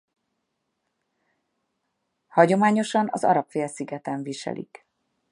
Hagyományosan az Arab-félszigeten viselik.